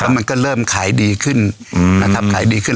มันก็เริ่มขายดีขึ้นนะครับขายดีขึ้น